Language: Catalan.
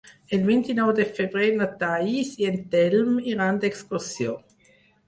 El vint-i-nou de febrer na Thaís i en Telm iran d'excursió.